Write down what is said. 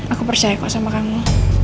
aku percaya kok sama kamu